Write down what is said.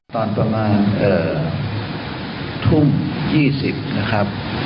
ตอนประมาณทุ่ม๒๐นะครับ